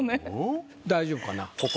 大丈夫かな？